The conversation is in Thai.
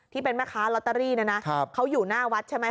ที่เป็นแม่ค้าลอตเตอรี่เนี่ยนะเขาอยู่หน้าวัดใช่ไหม